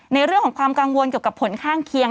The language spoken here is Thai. ในเรื่องของความกังวลเกี่ยวกับผลข้างเคียง